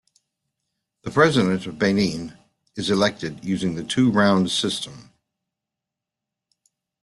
The President of Benin is elected using the two-round system.